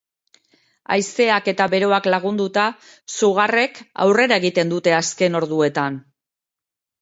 Haizeak eta beroak lagunduta, sugarrek aurrera egin dute azken orduetan.